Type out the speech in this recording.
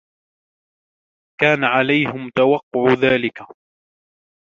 كان عليهم توقع ذلك.